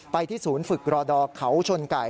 ไปที่ศูนย์ฝึกรอดอเขาชนไก่